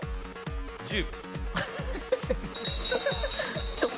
１０！